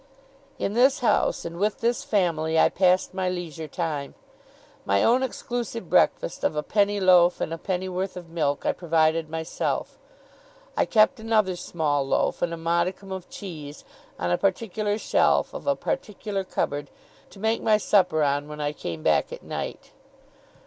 In this house, and with this family, I passed my leisure time. My own exclusive breakfast of a penny loaf and a pennyworth of milk, I provided myself. I kept another small loaf, and a modicum of cheese, on a particular shelf of a particular cupboard, to make my supper on when I came back at night.